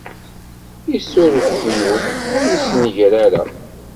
Issuruf ddnub, ur issenger ara.